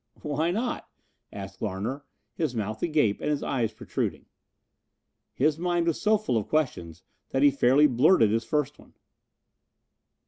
"Why not?" asked Larner, his mouth agape and his eyes protruding. His mind was so full of questions that he fairly blurted his first one.